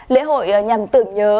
lễ hội nhằm tưởng nhớ